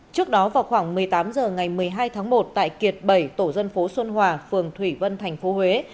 trước đó vào khoảng một mươi tám h ngày một mươi hai tháng một tại kiệt bảy tổ dân phố xuân hòa phường thủy vân tp huế